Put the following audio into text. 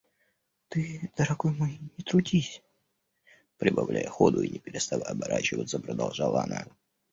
– Ты, дорогой мой, не трудись! – прибавляя ходу и не переставая оборачиваться, продолжала она.